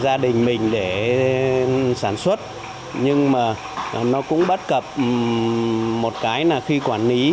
gia đình mình để sản xuất nhưng mà nó cũng bất cập một cái là khi quản lý